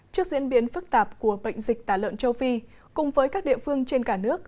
trước diễn biến phức tạp của bệnh dịch tả lợn châu phi cùng với các địa phương trên cả nước